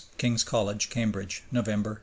King's College, Cambridge, November, 1919.